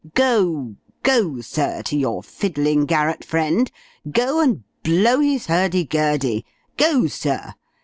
"Go go, sir, to your fiddling garret friend go and blow his hurdigurdy! Go, sir!